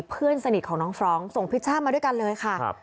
เพื่อนสนิทของน้องฟรองก์ส่งพิชช่ามาด้วยกันเลยค่ะ